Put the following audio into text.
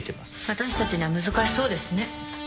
私たちには難しそうですね。